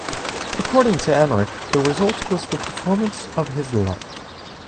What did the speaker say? According to Emerick, the result was the performance of his life.